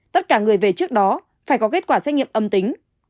tất cả người về trước đó phải có kết quả xét nghiệm âm tính